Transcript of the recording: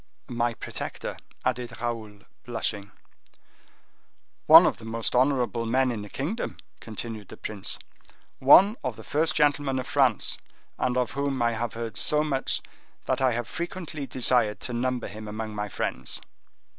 "My protector," added Raoul, blushing. "One of the most honorable men in the kingdom," continued the prince; "one of the first gentlemen of France, and of whom I have heard so much that I have frequently desired to number him among my friends."